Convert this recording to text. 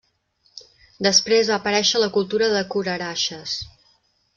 Després va aparèixer la cultura de Kura-Araxes.